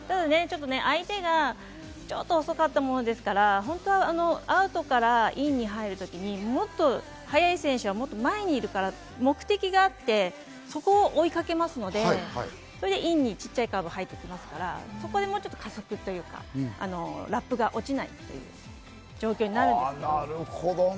ちょっと相手が遅かったものですから、本当はアウトからインに入るときに、もっと速い選手はもっと前にいるから目的があってそこを追いかけますので、インに小さいカーブ入っていきますから、そこでもちょっと加速というか、ラップが落ちないという状況になるんですけれど。